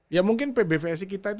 ya mungkin pbvsi kita itu